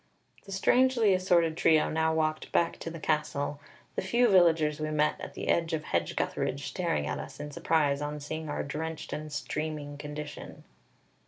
The strangely assorted trio now walked back to the castle, the few villagers we met at the edge of Hedge gutheridge staring at us in surprise on seeing our drenched and streaming condition.